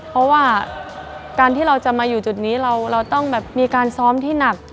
เพราะว่าการที่เราจะมาอยู่จุดนี้เราต้องแบบมีการซ้อมที่หนัก